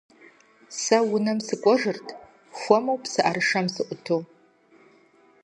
Сэ унэм сыкӀуэжырт хуэму псыӀэрышэм сыӀуту.